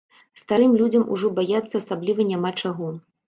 Старым людзям ужо баяцца асабліва няма чаго.